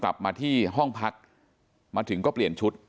กลับมาที่ห้องพักมาถึงก็เปลี่ยนชุด